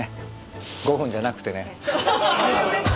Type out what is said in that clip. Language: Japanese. ５分じゃなくてね。